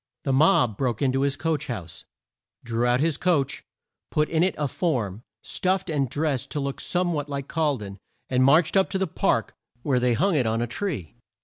The mob broke in to his coach house, drew out his coach, put in it a form stuffed and dressed to look some what like Col den and marched up to the Park where they hung it on a tree.